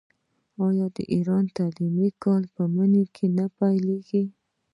آیا د ایران تعلیمي کال په مني کې نه پیلیږي؟